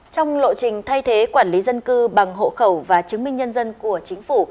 trong lộ trình thay thế quản lý dân cư bằng hộ khẩu và chứng minh nhân dân của chính phủ